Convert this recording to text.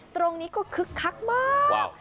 ตรงนี้ก็คึกคักมาก